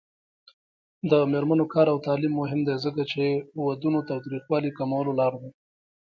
د میرمنو کار او تعلیم مهم دی ځکه چې ودونو تاوتریخوالي کمولو لاره ده.